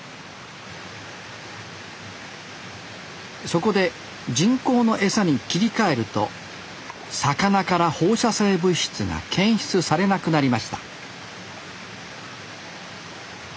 そこで人工の餌に切り替えると魚から放射性物質が検出されなくなりました